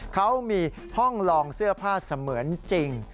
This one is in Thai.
เขามีห้องลองเสื้อผ้าเสมือนจริง